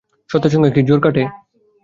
সত্যের সঙ্গে কি জোর খাটে!